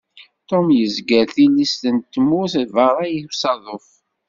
Tom yezger tilist n tmurt berra i usaḍuf.